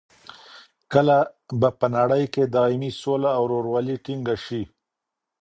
کله به په نړۍ کې دایمي سوله او رورولي ټینګه شي؟